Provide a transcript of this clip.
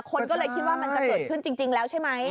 คนก็เลยคิดว่ามันจะเกิดขึ้นจริงแล้วใช่ไหม